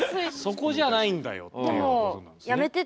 そこじゃないんだよっていうことなんですね。